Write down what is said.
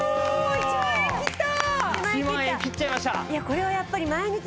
いやこれはやっぱり。